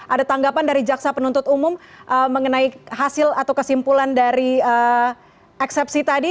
ada tanggapan dari jaksa penuntut umum mengenai hasil atau kesimpulan dari eksepsi tadi